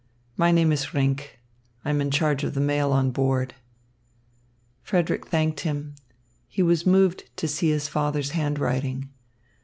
My name is Rinck. I am in charge of the mail on board." Frederick thanked him. He was moved to see his father's handwriting.